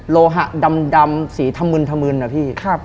โลหะดำสีถมืนอะพี่